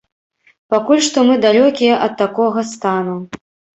Пакуль што мы далёкія ад такога стану.